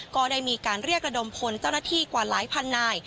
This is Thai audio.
ก็ได้มีการเรียกระดมพลเจ้าหน้าที่กว่าหลายพันนาย